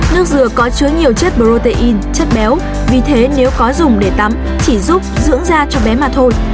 nước dừa có chứa nhiều chất protein chất béo vì thế nếu có dùng để tắm chỉ giúp dưỡng da cho bé mà thôi